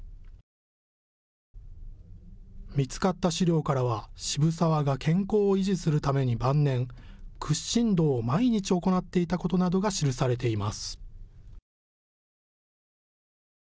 見つかった資料からは、渋沢が健康を維持するために晩年、屈伸道を毎日行っていたことなどが記されています。